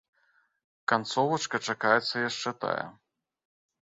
Канцовачка чакаецца яшчэ тая.